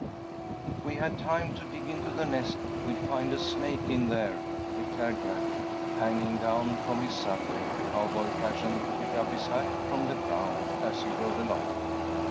"If we had time to dig into the nest, we'd find a snake in there," declared Jack, hanging down from his saddle, cowboy fashion, to pick up his hat from the ground as he rode along.